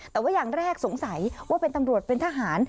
แต่ว่าอย่างแรกสงสัยว่าเป็นตำรวจเป็นทหาร